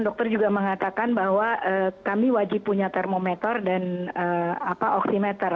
dokter juga mengatakan bahwa kami wajib punya termometer dan oksimeter